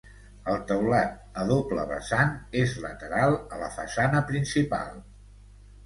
El teulat, a doble vessant, és lateral a la façana principal.